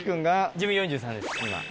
自分４３です今。